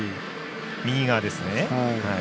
右側ですね。